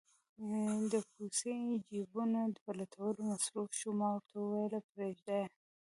د کوسۍ د جېبونو په لټولو مصروف شو، ما ورته وویل: پرېږده یې.